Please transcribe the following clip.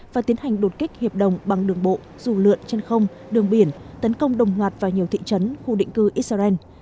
và tiến hành đột kích hiệp đồng bằng đường bộ dù lượn trên không đường biển tấn công đồng loạt vào nhiều thị trấn khu định cư israel